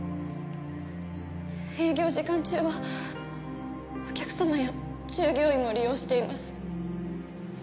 営業時間中はお客様や従業員も利用しています。